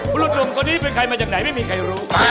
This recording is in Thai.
บริษัทครัวนี้เป็นใครมาจากไหนไม่มีใครรู้